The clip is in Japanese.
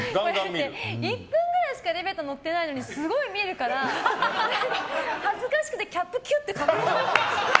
１分ぐらいしかエレベーター乗ってないのにすごい見るから、恥ずかしくてキャップキュッとかぶり直して。